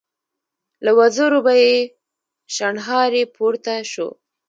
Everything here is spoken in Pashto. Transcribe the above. له وزرو به يې شڼهاری پورته شو.